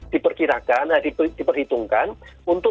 diperkirakan diperhitungkan untuk